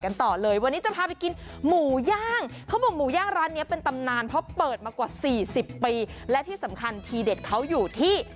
ต่อเลยวันนี้จะพาไปกินหมูย่างเขาบอกหมูย่างร้านนี้เป็นตำนานเพราะเปิดมากว่าสี่สิบปีและที่สำคัญทีเด็ดเขาอยู่ที่